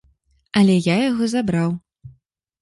Але я яго забраў.